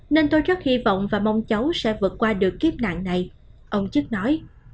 nên tôi rất hy vọng và mong cháu sẽ vượt qua được kiếp nạn này ông chức nói